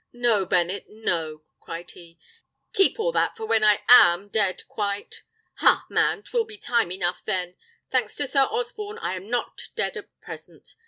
"No, Bennet, no!" cried he; "keep all that for when I am dead quite! Ha, man! 'twill be time enough then. Thanks to Sir Osborne, I am not dead at present.